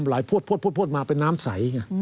ไหลพวดมาเป็นน้ำใส